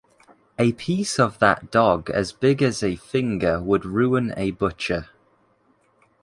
A piece of that dog as big as a finger would ruin a butcher.